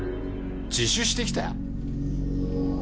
自首してきた！？